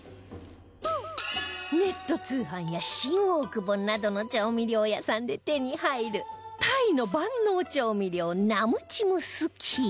ネット通販や新大久保などの調味料屋さんで手に入るタイの万能調味料ナムチムスキー